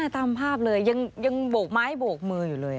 ตามภาพเลยยังโบกไม้โบกมืออยู่เลย